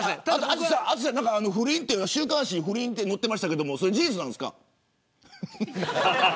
淳さん、週刊誌に不倫って載ってましたけど事実なんですか。